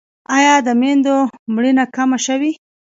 آیا د میندو مړینه کمه شوې؟